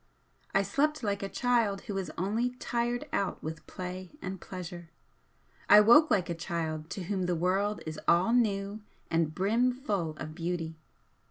I slept like a child who is only tired out with play and pleasure, I woke like a child to whom the world is all new and brimful of beauty.